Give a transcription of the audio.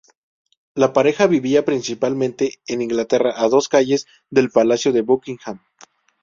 La pareja vivía principalmente en Inglaterra, a dos calles del palacio de Buckingham.